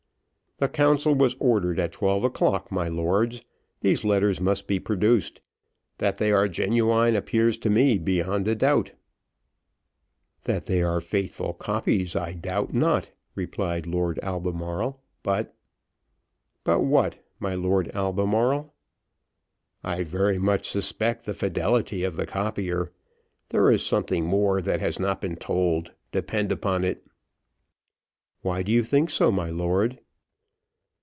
"The council was ordered at twelve o'clock, my lords. These letters must be produced. That they are genuine appears to me beyond a doubt." "That they are faithful copies, I doubt not," replied Lord Albemarle, "but " "But what, my Lord Albemarle?" "I very much suspect the fidelity of the copier there is something more that has not been told, depend upon it." "Why do you think so, my lord?"